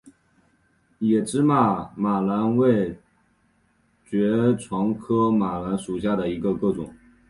野芝麻马蓝为爵床科马蓝属下的一个种。